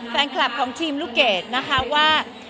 แฟนคลับของทีมลูกเกดนะคะว่า